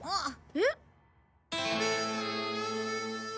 えっ？